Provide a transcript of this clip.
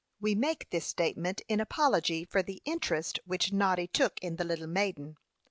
We make this statement in apology for the interest which Noddy took in the little maiden.